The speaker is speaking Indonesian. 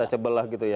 anta cebel lah gitu ya